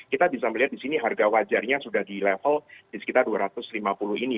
kita bisa melihat di sini harga wajarnya sudah di level di sekitar dua ratus lima puluh ini